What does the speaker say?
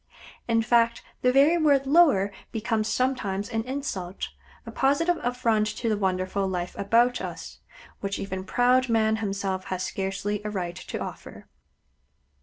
In fact, the very word "lower" becomes sometimes an insult, a positive affront to the wonderful life about us, which even proud Man himself has scarcely a right to offer.